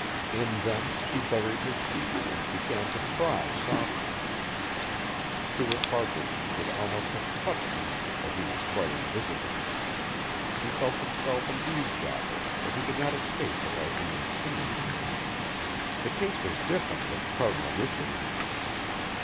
In them she buried her cheeks and began to cry softly. Stuart Farquaharson could almost have touched her but he was quite invisible. He felt himself an eavesdropper, but he could not escape without being seen. The case was different with Cardinal Richelieu.